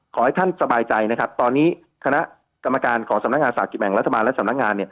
ขอให้ท่านสบายใจนะครับตอนนี้คณะกรรมการของสำนักงานศาสกิจแบ่งรัฐบาลและสำนักงาน